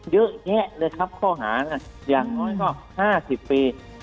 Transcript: เยอะแยะเลยครับข้อหาอย่างน้อยก็๕๐ปี